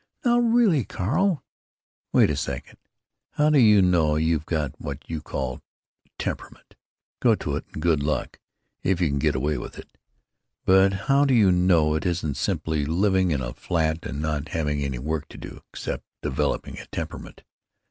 '" "Now really, Carl——" "Wait a second. How do you know you've got what you call a temperament? Go to it, and good luck, if you can get away with it. But how do you know it isn't simply living in a flat and not having any work to do except developing a temperament?